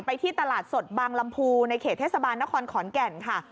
ที่ตลาดสดบางลำพูในเขตเทศบาลนครขอนแก่นค่ะ